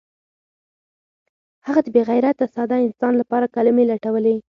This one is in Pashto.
هغه د بې غیرته ساده انسان لپاره کلمې لټولې